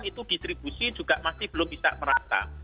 itu distribusi juga masih belum bisa merata